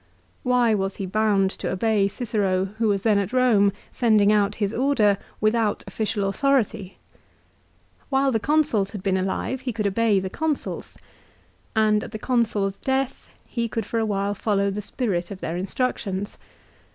Why was he bound to obey Cicero who was then at Rome, sending out his order , without official authority ? While the Consuls had been alive, he could obey the Consuls. And at the Consul's death, he could for a while follow the spirit of their instruc tions.